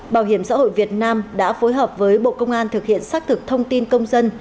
bảo hiểm xã hội việt nam đã phối hợp với bộ công an thực hiện xác thực thông tin công dân